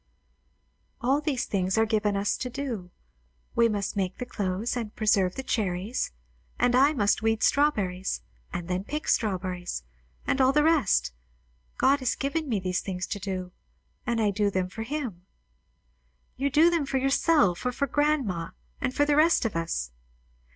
All these things are things given us to do; we must make the clothes and preserve the cherries, and I must weed strawberries, and then pick strawberries, and all the rest. God has given me these things to do, and I do them for him." "You do them for yourself, or for grandma, and for the rest of us."